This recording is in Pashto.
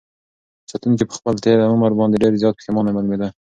ساتونکي په خپل تېر عمل باندې ډېر زیات پښېمانه معلومېده.